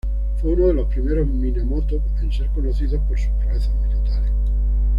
Fue uno de los primeros Minamoto en ser conocido por sus proezas militares.